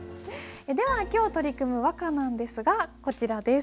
では今日取り組む和歌なんですがこちらです。